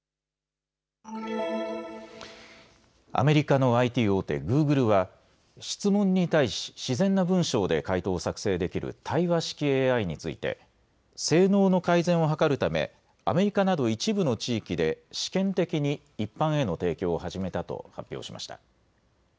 アメリカのＩＴ大手、グーグルは質問に対し自然な文章で回答を作成できる対話式ＡＩについて性能の改善を図るためアメリカなど一部の地域で試験的に一般への提供を始めたと発表しました。